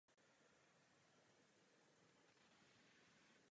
Musíme zvážit, zda konferenci chceme nebo nechceme.